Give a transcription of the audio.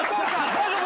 大丈夫？